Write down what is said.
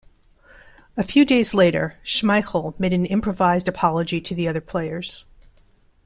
A few days later, Schmeichel made an improvised apology to the other players.